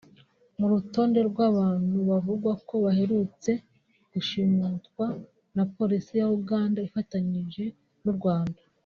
ku rutonde rw’ abantu bavugwa ko baherutse gushimutwa na polisi ya Uganda ifatanyije n’ u Rwanda